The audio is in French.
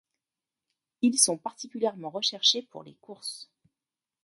Ils sont particulièrement recherchés pour les courses.